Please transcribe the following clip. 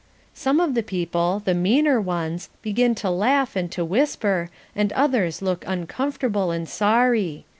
Some of the people, the meaner ones, begin to laugh and to whisper, and others look uncomfortable and sorry.